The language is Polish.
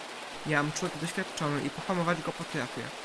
"Jam człek doświadczony i pohamować go potrafię."